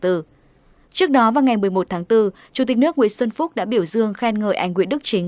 trước đó vào ngày một mươi một tháng bốn chủ tịch nước nguyễn xuân phúc đã biểu dương khen ngợi anh nguyễn đức chính